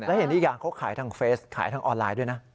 แล้วเห็นอีกอย่างเขาขายทางเฟสขายทางออนไลน์ด้วยนะ